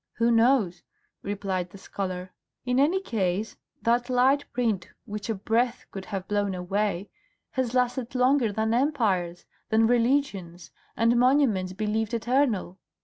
"Who knows?" replied the scholar. "In any case, that light print, which a breath would have blown away, has lasted longer than empires, than religions and monuments believed eternal.